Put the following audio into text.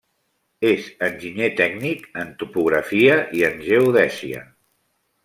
És enginyer tècnic en topografia i en geodèsia.